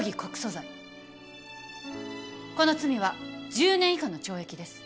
この罪は１０年以下の懲役です。